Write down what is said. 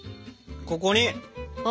ここに！